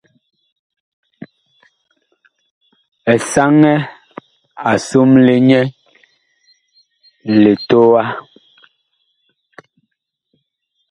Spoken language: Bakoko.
Esanɛ a somle nyɛ litowa.